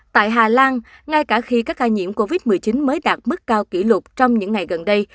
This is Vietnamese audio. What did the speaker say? tại hà lan ngay cả khi các ca nhiễm covid một mươi chín mới đạt mức cao kỷ lục trong những ngày gần đây